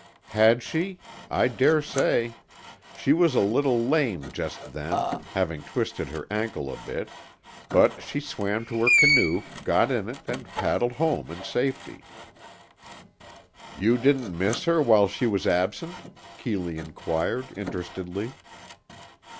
"Had she? I daresay. She was a little lame just then, having twisted her ankle a bit, but she swam to her canoe, got in it and paddled home in safety." "You didn't miss her while she was absent?" Keeley inquired, interestedly.